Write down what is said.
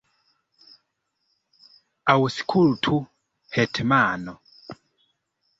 Aŭskultu, hetmano!